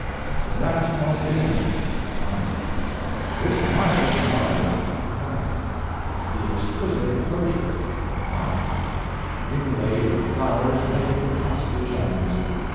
The vast mausoleum 5. This marvel of marble 5. The exquisite enclosure 5. Inlaid with flowers made of costly gems 5.